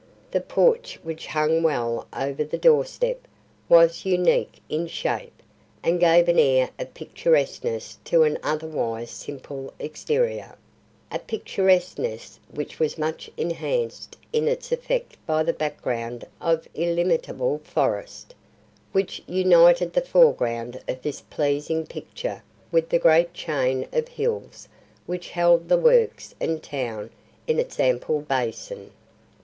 The porch which hung well over the doorstep was unique in shape and gave an air of picturesqueness to an otherwise simple exterior; a picturesqueness which was much enhanced in its effect by the background of illimitable forest, which united the foreground of this pleasing picture with the great chain of hills which held the Works and town in its ample basin.